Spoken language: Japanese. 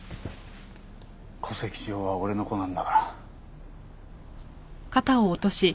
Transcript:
戸籍上は俺の子なんだから。